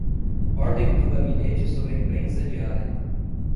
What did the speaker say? Ordem do Gabinete sobre a Imprensa Diária